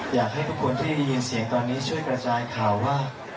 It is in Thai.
อยากให้ทุกคนที่ได้ยินเสียงตอนนี้ช่วยกระจายข่าวว่า